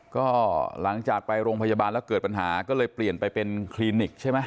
ก็หลังจากไปโรงพยาบาลแล้วเกิดปัญหาก็เลยเปลี่ยนไปเป็นคลินิกใช่ไหม